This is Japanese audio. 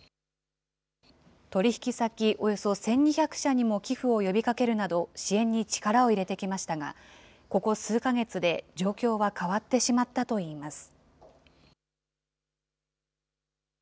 取り引き先およそ１２００社にも寄付を呼びかけるなど、支援に力を入れてきましたが、ここ数か月で状況は変わってしまったといいます。